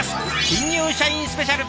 「新入社員スペシャル」。